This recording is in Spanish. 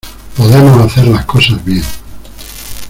podemos hacer las cosas bien.